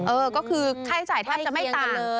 เออก็คือค่าใช้จ่ายแทบจะไม่ต่ำ